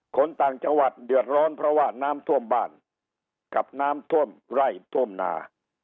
คนต่างจังหวัดเดือดร้อนเพราะว่าน้ำท่วมบ้านกับน้ำท่วมไร่ท่วมนา